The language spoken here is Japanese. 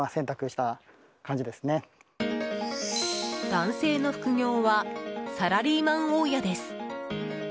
男性の副業はサラリーマン大家です。